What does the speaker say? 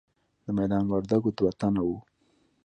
د میدان وردګو دوه تنه وو.